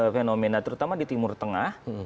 fenomena terutama di timur tengah